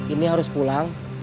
ini harus pulang